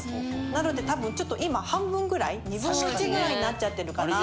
なので多分ちょっと今半分ぐらい２分の１ぐらいになっちゃってるかな。